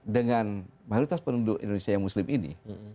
dengan mayoritas penduduk indonesia yang muslim ini